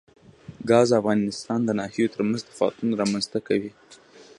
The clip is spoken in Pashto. ګاز د افغانستان د ناحیو ترمنځ تفاوتونه رامنځ ته کوي.